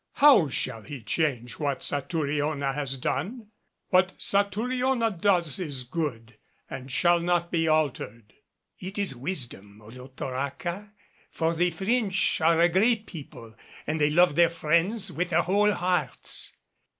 How shall he change what Satouriona has done? What Satouriona does is good, and shall not be altered." "It is wisdom, Olotoraca. For the French are a great people and they love their friends with their whole hearts.